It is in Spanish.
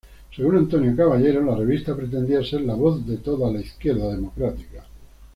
Según Antonio Caballero la revista pretendía ser "la voz de toda la izquierda democrática".